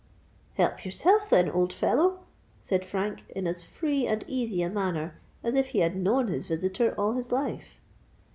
"Help yourself then, old fellow!" said Frank, in as free and easy a manner as if he had known his visitor all his life.